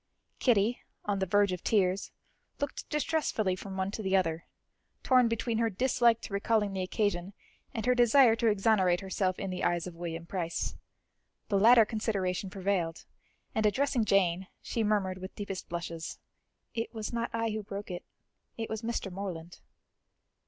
Kitty, on the verge of tears, looked distressfully from one to the other, torn between her dislike to recalling the occasion, and her desire to exonerate herself in the eyes of William Price. The latter consideration prevailed, and addressing Jane, she murmured with deepest blushes; "It was not I who broke it, it was Mr. Morland."